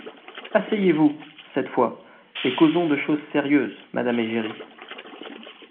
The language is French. —Asseyez-vous, cette fois, et causons de choses Sérieuses, madame Égérie.